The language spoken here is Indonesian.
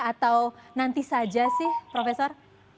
atau nanti saja sih profesor